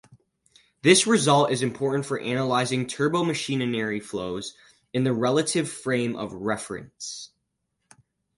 This result is important for analyzing turbomachinery flows in the relative frame of reference.